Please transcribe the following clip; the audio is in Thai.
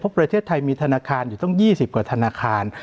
เพราะประเทศไทยมีธนาคารอยู่ตั้ง๒๐กว่าธนาคาร